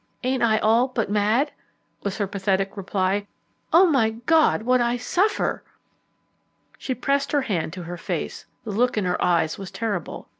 "Ain't I all but mad?" was her pathetic reply. "Oh, my God, what I suffer!" She pressed her hand to her face; the look in her eyes was terrible.